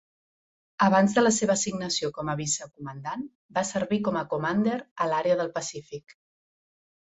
Abans de la seva assignació com a vice commandant, va servir com a commander a l'àrea del Pacífic.